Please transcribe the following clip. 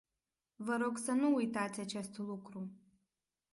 Vă rog să nu uitați acest lucru.